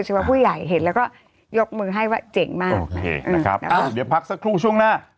ว่าผู้ใหญ่เห็นแล้วก็ยกมือให้ว่าเจ๋งมากโอเคนะครับเดี๋ยวพักสักครู่ช่วงหน้า